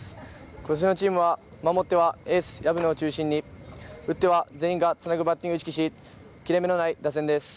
ことしのチームは守ってはエース薮野を中心に打っては全員がつなぐバッティングを意識し切れ目のない打線です。